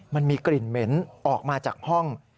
มันมีกลิ่นเหม็นออกมาจากห้อง